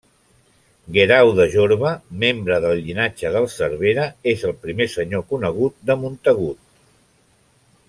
Guerau de Jorba, membre del llinatge dels Cervera, és el primer senyor conegut de Montagut.